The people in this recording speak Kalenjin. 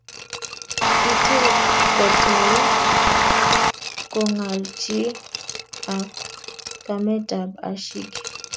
Kitil kotoi kongalchin ak kametab Ashiki